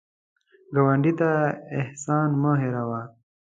ګاونډي ته احسان مه هېر وهه